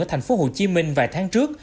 ở tp hcm vài tháng trước